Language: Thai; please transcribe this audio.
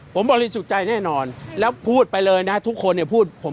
ผมบริสุทธิ์ใจแน่นอนแล้วพูดไปเลยนะทุกคนเนี่ยพูดผม